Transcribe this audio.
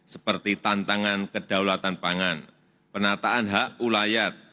seperti tantangan kedaulatan pangan penataan hak ulayat